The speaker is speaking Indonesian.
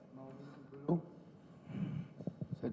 jangan jangan jangan jangan jangan role jangan jangan jangan